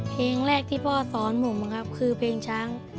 เพลงแรกที่พ่อสอนผมครับคือเพลงช้าง